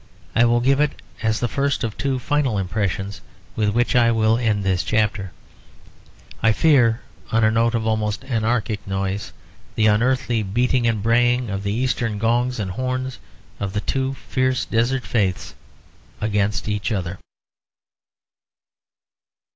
I will give it as the first of two final impressions with which I will end this chapter, I fear on a note of almost anarchic noise, the unearthly beating and braying of the Eastern gongs and horns of two fierce desert faiths against each other.